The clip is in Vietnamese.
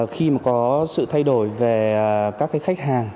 khi mà có sự thay đổi về các cái khách hàng